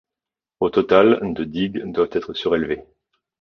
Au total, de digues doivent être surélevées.